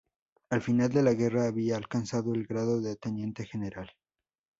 Al final de la guerra había alcanzado el grado de Teniente General.